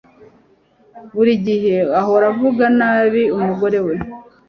Buri gihe ahora avuga nabi umugore we